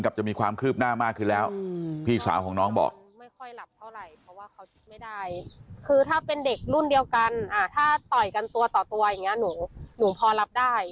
อ่าถ้าต่อยการตัวต่อตัวอย่างเงี้ยหนูหนูพอรับได้